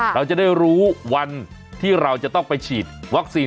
เราจะได้รู้วันที่เราจะต้องไปฉีดวัคซีน